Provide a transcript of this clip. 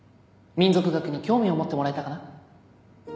民俗学に興味を持ってもらえたかな？